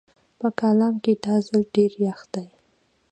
په کالام کې دا ځل ډېر يخ دی